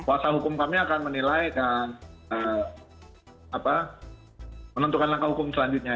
kuasa hukum kami akan menilai dan menentukan langkah hukum selanjutnya